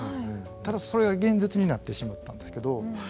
ただそれが現実になってしまったんですけど。